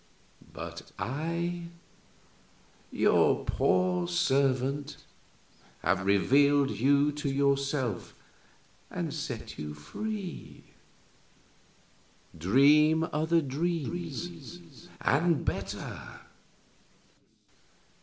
But I, your poor servant, have revealed you to yourself and set you free. Dream other dreams, and better!